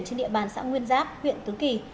trên địa bàn xã nguyên giáp huyện tứ kỳ